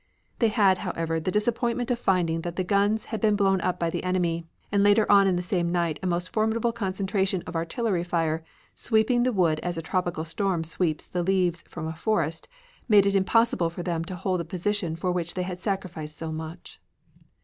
They had, however, the disappointment of finding that the guns had been blown up by the enemy, and later on in the same night a most formidable concentration of artillery fire, sweeping the wood as a tropical storm sweeps the leaves from a forest, made it impossible for them to hold the position for which they had sacrificed so much.